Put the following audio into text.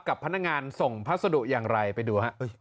กับพนักงานส่งพัสดุอย่างไรไปดูฮะ